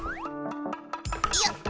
よっ。